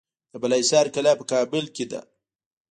د بالاحصار کلا په کابل کې ده